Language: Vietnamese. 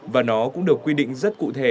và nó cũng được quy định rất cụ thể